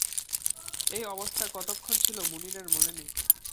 এই অবস্থা কতক্ষণ ছিল মুনিরের মনে নেই।